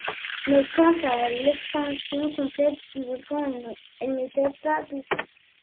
Mais, quant à l’extinction complète du volcan, elle n’était pas douteuse.